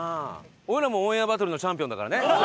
俺らも『オンエアバトル』のチャンピオンだからね。